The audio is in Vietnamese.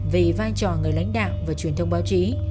về vai trò người lãnh đạo và truyền thông báo chí